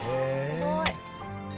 「すごい」